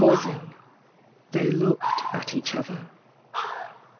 "S'ng' they looked at each other.